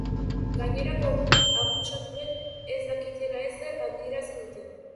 Gainerako akusatuek ez dakitela ezer adierazi dute.